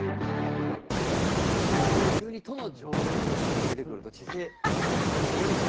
普通に都の条例とかって出てくると知性。